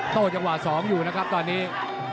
จังหวะ๒อยู่นะครับตอนนี้